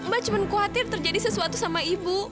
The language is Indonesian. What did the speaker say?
mbak cuma khawatir terjadi sesuatu sama ibu